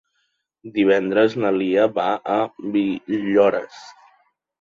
Divendres na Lia va a Villores.